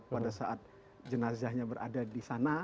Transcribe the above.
pada saat jenazahnya berada di sana